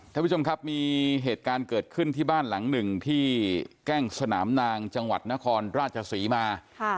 ท่านผู้ชมครับมีเหตุการณ์เกิดขึ้นที่บ้านหลังหนึ่งที่แก้งสนามนางจังหวัดนครราชศรีมา